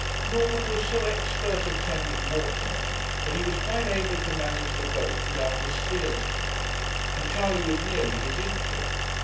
Norman was so expert a Thames waterman, that he was quite able to manage the boat without a steersman, and Charley was nearly his equal.